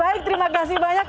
baik terima kasih banyak